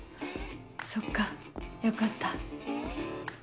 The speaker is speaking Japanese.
そっかよかった。